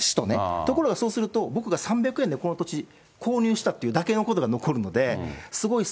ところがそうすると、僕が３００円でこの土地、購入したってだけのことが残るので、すごい損。